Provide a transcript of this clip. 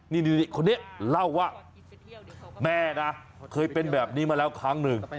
นี่คนนี้เล่าว่าแม่นะเคยเป็นแบบนี้มาแล้วครั้งหนึ่ง